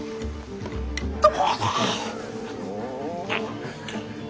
殿！